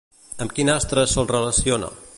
Amb quin astre se'l relaciona?